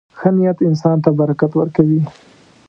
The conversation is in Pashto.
• ښه نیت انسان ته برکت ورکوي.